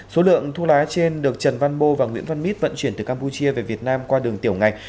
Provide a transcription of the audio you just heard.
số lượng thuốc lá trên được trần văn bô và nguyễn văn mít vận chuyển từ campuchia về việt nam qua đường tiểu ngạch